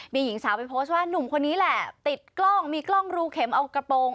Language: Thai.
มีหญิงสาวไปโพสต์ว่านุ่มคนนี้แหละติดกล้องมีกล้องรูเข็มเอากระโปรง